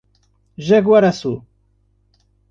Jaguaraçu